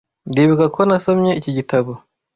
Ndibuka ko nasomye iki gitabo.